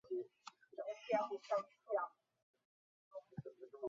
赖斯接受布里斯班圣彼得斯游泳学校的教练米高保尔的训练。